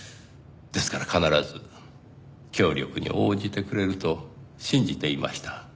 ですから必ず協力に応じてくれると信じていました。